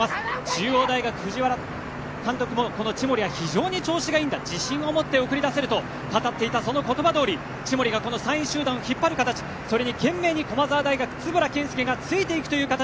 中央大学、藤原監督も千守は非常に調子がいいんだ自信を持って送り出せると語っていたその言葉どおり千守が３位集団を引っ張る形その後ろに駒澤大学の円健介がついている形。